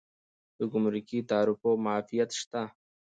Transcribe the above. د ګمرکي تعرفو معافیت شته؟